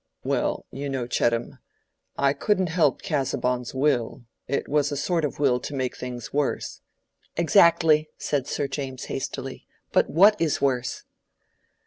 "Well, you know, Chettam, I couldn't help Casaubon's will: it was a sort of will to make things worse." "Exactly," said Sir James, hastily. "But what is worse?"